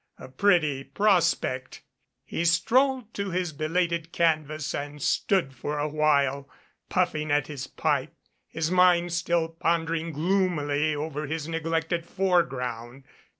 A pretty prospect! He strolled to his belated canvas and stood for a while puffing at his pipe, his mind still pondering gloomily over his neglected foreground.